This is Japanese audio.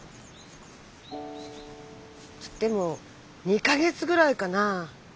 つっても２か月ぐらいかな。